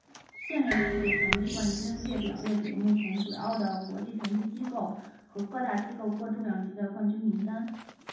现任世界拳击冠军列表列举了目前主要的国际拳击机构和各大机构各重量级的冠军名单。